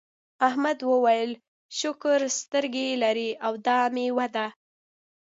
احمد وویل شکر سترګې لرې او دا میوه ده.